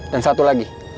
dan satu lagi